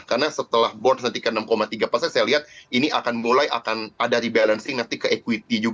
karena setelah bonds nanti ke enam tiga saya lihat ini akan mulai ada rebalancing nanti ke equity